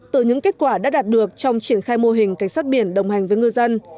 từ những kết quả đã đạt được trong triển khai mô hình cảnh sát biển đồng hành với ngư dân